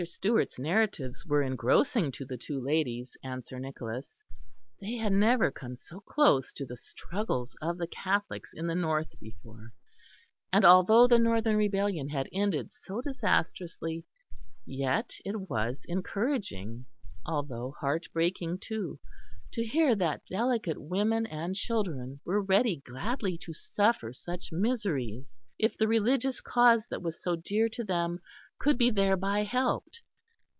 Stewart's narratives were engrossing to the two ladies and Sir Nicholas. They had never come so close to the struggles of the Catholics in the north before; and although the Northern Rebellion had ended so disastrously, yet it was encouraging, although heartbreaking too, to hear that delicate women and children were ready gladly to suffer such miseries if the religious cause that was so dear to them could be thereby helped.